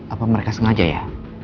apa mereka sengaja ya